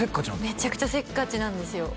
めちゃくちゃせっかちなんですよ